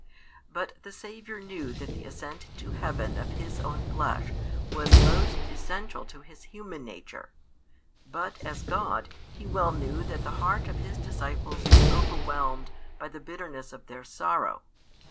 But the Saviour knew that the ascent into heaven of His own Flesh was most essential to His Human Nature, but, as God, He well knew that the heart of His disciples was overwhelmed |440 by the bitterness of their sorrow.